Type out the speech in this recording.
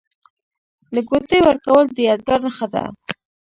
د ګوتې ورکول د یادګار نښه ده.